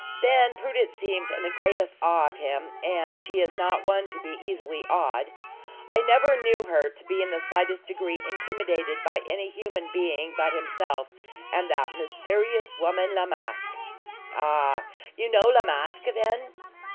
Then Prudence seems in the greatest awe of him, and she is not one to be easily awed. I never knew her to be in the slightest degree intimidated by any human being but himself and that mysterious woman, La Masque. "Ah! you know La Masque, then?"